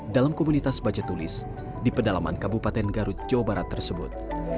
dalam komunitas baca tulis di pedalaman kabupaten garut jawa barat tersebut